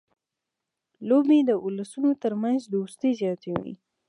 لوبې د اولسونو ترمنځ دوستي زیاتوي.